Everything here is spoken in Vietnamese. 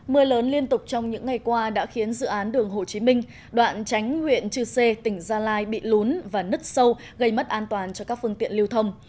mưa lớn liên tục trong những ngày qua đã khiến dự án đường hồ chí minh đoạn tránh huyện chư sê tỉnh gia lai bị lún và nứt sâu gây mất an toàn cho các phương tiện lưu thông